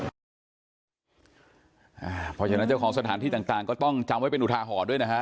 เพราะฉะนั้นเจ้าของสถานที่ต่างก็ต้องจำไว้เป็นอุทาหรณ์ด้วยนะฮะ